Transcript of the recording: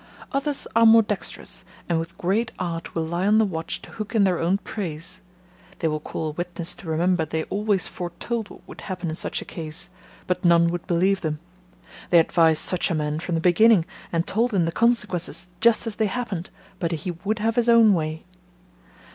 Others are more dexterous, and with great art will lie on the watch to hook in their own praise: They will call a witness to remember they always foretold what would happen in such a case, but none would believe them; they advised such a man from the beginning, and told him the consequences, just as they happened; but he would have his own way.